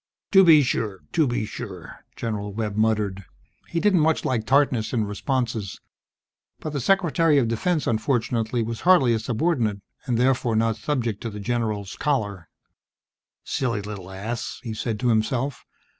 "To be sure. To be sure," General Webb muttered. He didn't much like tartness in responses, but the Secretary of Defense, unfortunately, was hardly a subordinate, and therefore not subject to the general's choler. Silly little ass! he said to himself.